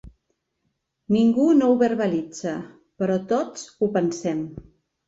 Ningú no ho verbalitza, però tots ho pensem.